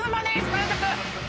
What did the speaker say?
完食。